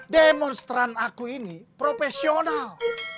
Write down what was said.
demonstrasi aku ini profesional